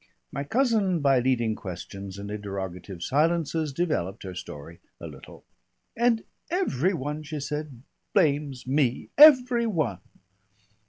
My cousin by leading questions and interrogative silences developed her story a little. "And every one," she said, "blames me. Every one."